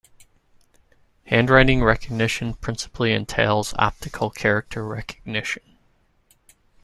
Handwriting recognition principally entails optical character recognition.